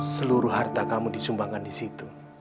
seluruh harta kamu disumbangkan disitu